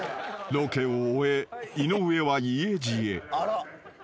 ［ロケを終え井上は家路へ］